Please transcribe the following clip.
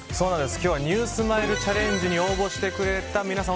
今日はＮＥＷＳｍｉｌｅチャレンジに応募してくれた皆さん